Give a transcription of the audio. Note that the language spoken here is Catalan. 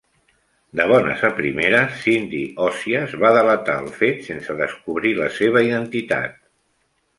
De bones a primeres, Cindy Ossias va delatar el fet sense descobrir la seva identitat.